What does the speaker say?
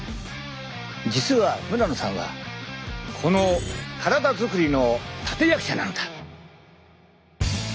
実は村野さんはこの体作りの立て役者なのだ。